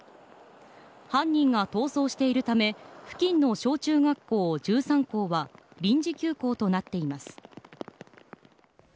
犯人が逃走しているため付近の小中学校１３校は臨時休校となっています。